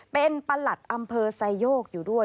เป็นประหลัดอำเภอไซโยกอยู่ด้วย